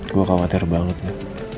gue khawatir banget ya